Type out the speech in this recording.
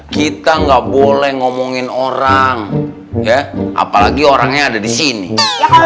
kita nggak boleh ngomongin orang ya apalagi orangnya ada di sini ya kalau